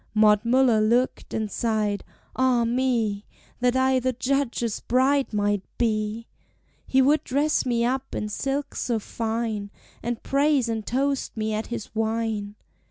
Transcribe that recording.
Maud Muller looked and sighed: "Ah me! That I the Judge's bride might be! "He would dress me up in silks so fine, And praise and toast me at his wine.